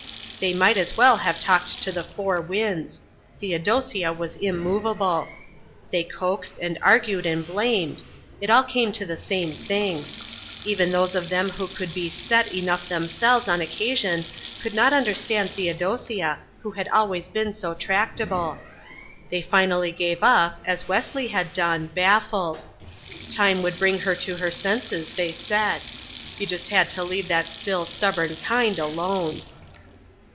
They might as well have talked to the four winds. Theodosia was immoveable. They coaxed and argued and blamed it all came to the same thing. Even those of them who could be "set" enough themselves on occasion could not understand Theodosia, who had always been so tractable. They finally gave up, as Wesley had done, baffled. Time would bring her to her senses, they said; you just had to leave that still, stubborn kind alone.